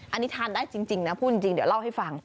อันนี้ทานได้จริงนะพูดจริงเดี๋ยวเล่าให้ฟัง